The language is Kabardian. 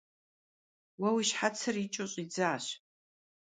Уэ уи щхьэцыр икӏыу щӏидзащ.